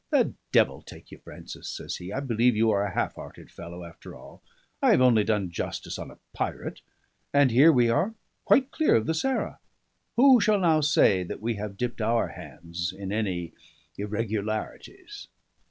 "The devil take you, Francis!" says he. "I believe you are a half hearted fellow, after all. I have only done justice on a pirate. And here we are quite clear of the Sarah! Who shall now say that we have dipped our hands in any irregularities?"